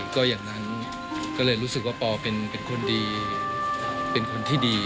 ก็อย่างนั้นก็เลยรู้สึกว่าปอเป็นคนดีเป็นคนที่ดี